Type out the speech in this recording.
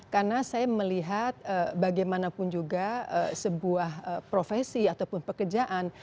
karena saya melihat bagaimanapun juga sebuah profesi ataupun pekerjaan